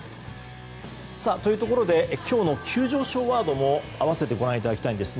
というところで今日の急上昇ワードを併せてご覧いただきたいんです。